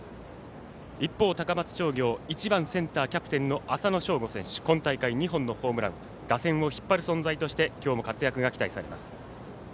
一方、高松商業１番センターキャプテンの浅野翔吾選手、今大会２本のホームラン、打線を引っ張る存在として今日も活躍が期待されます。